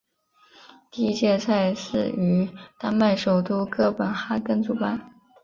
第一届赛事于丹麦首都哥本哈根主办。